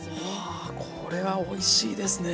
あこれはおいしいですね。